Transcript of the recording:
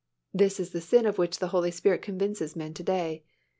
This is the sin of which the Holy Spirit convinces men to day.